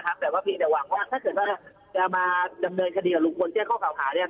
นะครับแต่ว่าพี่หวังแล้วว่าถ้าเกิดว่าจะมาจำเดินคดีกับลูกมนต์ที่มีเป็นข้างขาวหีก